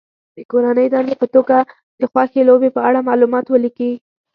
د کورنۍ دندې په توګه د خوښې لوبې په اړه معلومات ولیکي.